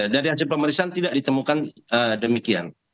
dari hasil pemeriksaan tidak ditemukan demikian